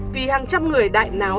vì hàng trăm người đại náo